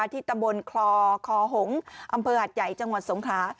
ที่ตะบลคลอคห่มอำเภอหาดใหญ่จังหวัดสงคระ